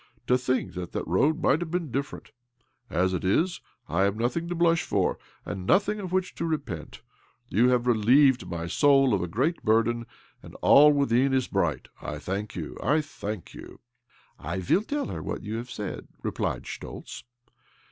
To think that that road might have been different I As it is, I have nothing to blush for, and nothing of which to repent. You have relieved my soul of a great burden, and all within it is bright. I thank you, I thank you !"" I will tell her what you have said," replied Schtoltz.